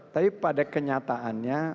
tapi pada kenyataannya